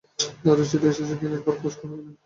দাদার চিঠি এসেছে কি না একবার খোঁজ করবে কি?